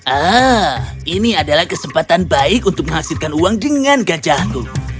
ah ini adalah kesempatan baik untuk menghasilkan uang dengan gajahku